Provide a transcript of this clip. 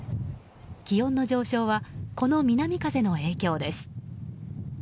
気温の上昇はこの南風の影響です。